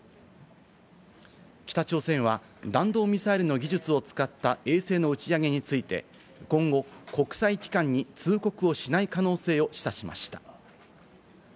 北朝鮮は弾道ミサイルの技術を使った衛星の打ち上げについて、今後、国際機関に通告をしない可能性を示唆しました。